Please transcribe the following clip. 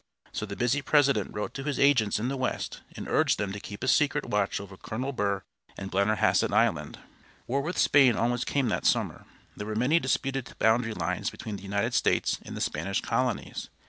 So the busy President wrote to his agents in the West and urged them to keep a secret watch over Colonel Burr and Blennerhassett Island. War with Spain almost came that summer. There were many disputed boundary lines between the United States and the Spanish colonies.